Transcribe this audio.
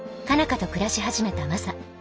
花と暮らし始めたマサ。